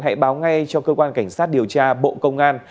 hãy báo ngay cho cơ quan cảnh sát điều tra bộ công an